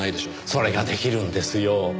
それが出来るんですよ。